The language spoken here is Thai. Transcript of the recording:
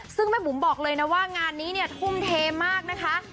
ซึ่งแม่บุ๋มบอกเลยนะว่างานนี้เนี่ยทุ่มเทมากนะคะ